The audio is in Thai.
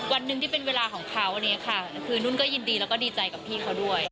วันหนึ่งที่เป็นเวลาของเขาอันนี้ค่ะคือนุ่นก็ยินดีแล้วก็ดีใจกับพี่เขาด้วย